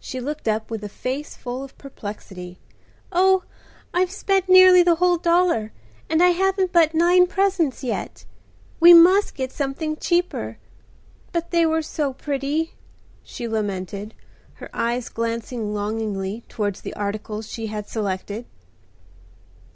She looked up with a face full of perplexity. "Oh! I've spent nearly the whole dollar and I haven't but nine presents yet. We must get something cheaper.—But they were so pretty!" she lamented, her eyes glancing longingly towards the articles she had selected.